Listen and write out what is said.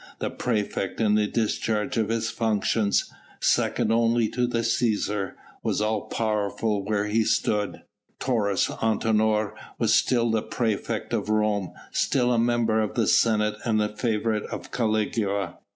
The praefect in the discharge of his functions second only to the Cæsar was all powerful where he stood. Taurus Antinor was still the praefect of Rome, still a member of the Senate and favourite of Caligula.